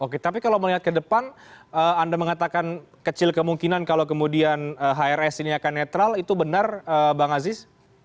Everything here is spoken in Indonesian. oke tapi kalau melihat ke depan anda mengatakan kecil kemungkinan kalau kemudian hrs ini akan netral itu benar bang aziz